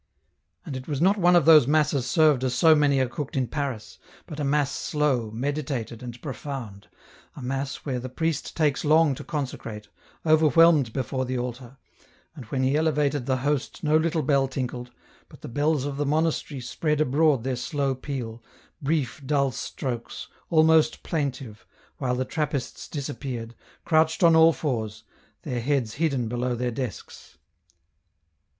And it was not one of those masses served as so many are cooked in Paris, but a mass slow, meditated, and profound, a mass where the priest takes long to consecrate, over whelmed before the altar, and when he elevated the Host no little bell tinkled, but the bells of the monastery spread abroad their slow peal, brief dull strokes, almost plaintive, while the Trappists disappeared, crouched on all fours, their heads hidden below their desks.